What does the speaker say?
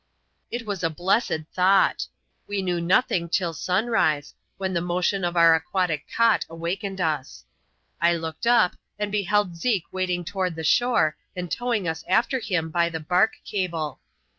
It was a blessed thought ! We knew nothing till smirise» when the motion of our aquatic cot awakened us. I looked up, and beheld Zeke wading toward the shore^ and towing us after him by the bark cable.